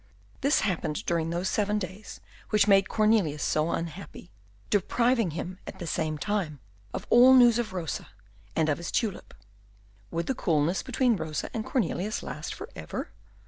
This happened during those seven days which made Cornelius so unhappy, depriving him at the same time of all news of Rosa and of his tulip. Would the coolness between Rosa and Cornelius last for ever?